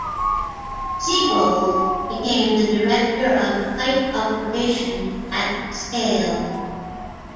Siebold became the Director of Flight Operations at Scaled.